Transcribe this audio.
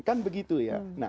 kan begitu ya